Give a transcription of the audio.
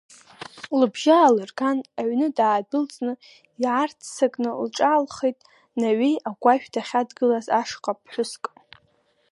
Лыбжьы аалырган, аҩны даадәылҵны, иаарццакны лҿаалхеит, Наҩеи агәашә дахьадгылаз ашҟа ԥҳәыск.